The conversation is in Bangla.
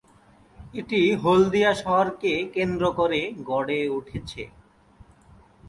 এটি হলদিয়া শহরকে কেন্দ্র করে গড়ে উঠেছে।